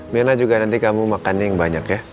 biar lah juga nanti kamu makan yang banyak ya